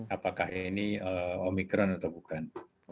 apakah ini omikron atau bukan